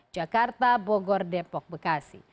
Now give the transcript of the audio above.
jakarta bogor depok bekasi